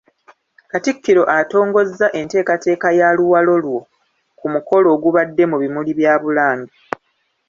Katikkiro atongozza enteekateeka ya ‘Luwalo lwo’ ku mukolo ogubadde mu bimuli bya Bulange.